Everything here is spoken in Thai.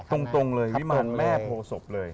ตรงเลยวิมารแม่โพศพเลย